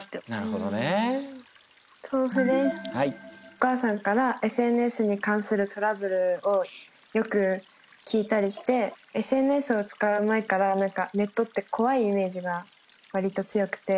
お母さんからＳＮＳに関するトラブルをよく聞いたりしてＳＮＳを使う前からネットって怖いイメージがわりと強くて。